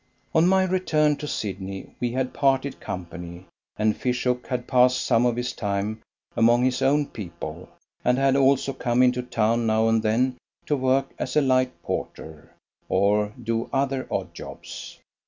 On my return to Sydney we had parted company, and Fishook had passed some of his time among his own people, and had also come into town now and then to work as a light porter, or do other odd jobs.